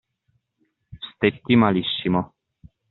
Stetti malissimo.